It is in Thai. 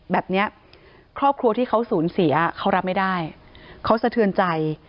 แบบนี้ครอบครัวที่เขาสูญเสียเขารับไม่ได้เขาสะเทือนใจ